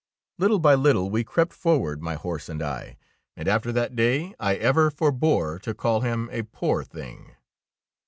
Little by little we crept forward, my horse and I, and after that day I ever forbore to call him a poor thing.